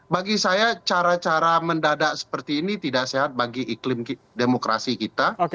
bagi saya cara cara mendadak seperti ini tidak sehat bagi iklim demokrasi kita